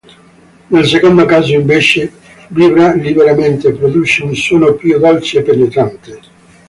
Nel secondo caso, invece, vibra liberamente e produce un suono più dolce e penetrante.